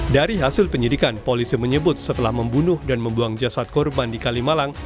dari hasil penyidikan polisi menyebut setelah membunuh dan membuang jasad korban di kalimalang